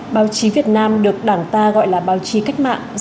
báo chí việt nam được đảng ta gọi là báo chí cách mạng